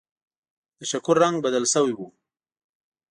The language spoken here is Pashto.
د شګو رنګ بدل شوی وي